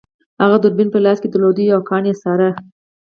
هغه دوربین په لاس کې درلود او کان یې څاره